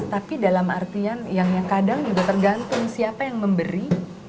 tapi dalam artian yang kadang juga tergantung siapa yang memberi